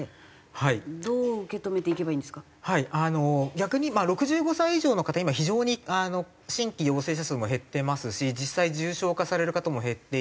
逆に６５歳以上の方今非常に新規陽性者数も減ってますし実際重症化される方も減っていて。